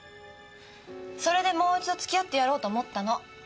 それでもう一度付き合ってやろうと思ったの。